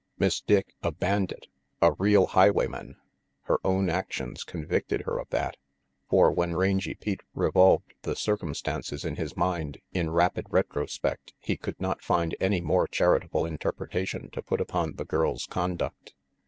Miss Dick a bandit, a real highwayman! Her own actions convicted her of that. For when Rangy Pete revolved the circumstances in his mind in rapid retrospect he could not find any more charitable interpretation to put upon the girl's conduct.